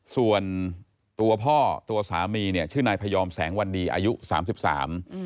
ส่วนตัวพ่อตัวสามีเนี่ยชื่อนายพยอมแสงวันดีอายุสามสิบสาม